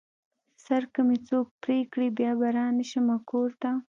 سر که مې څوک غوڅ کړې بيا به رانشمه کور ته